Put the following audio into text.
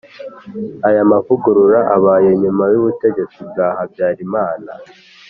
Aya mavugurura abaye nyuma y’ubutegetsi bwa Habyarimana